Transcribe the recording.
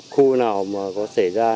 khu nào mà có xảy ra